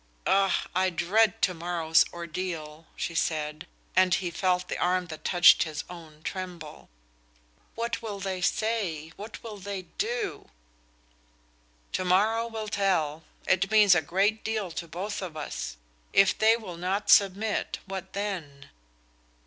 "Ach, I dread to morrow's ordeal!" she said, and he felt the arm that touched his own tremble. "What will they say? What will they, do?" "To morrow will tell. It means a great deal to both of us. If they will not submit what then?"